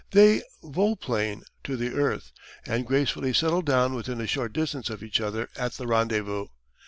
They vol plane to the earth and gracefully settle down within a short distance of each other at the rendezvous.